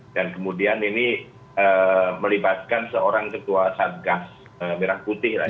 dan kemudian ini melibatkan seorang ketua satgas merah putih